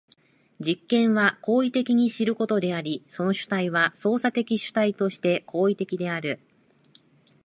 実験は行為的に知ることであり、その主体は操作的主体として行為的である。